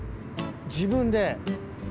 自分で！